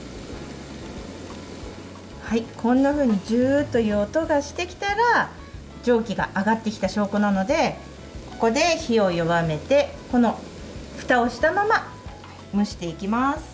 ジューッという音がしてきたら蒸気が上がってきた証拠なのでここで火を弱めてふたをしたまま蒸していきます。